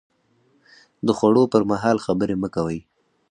د خوړو پر مهال خبرې مه کوئ